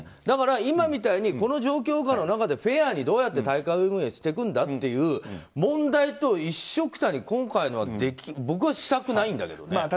だから、今みたいにこの状況下の中でフェアにどうやって大会運営していくんだという問題と一色単に、今回のことは僕はしたくないんだけどね。